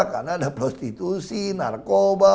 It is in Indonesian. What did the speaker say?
karena ada prostitusi narkoba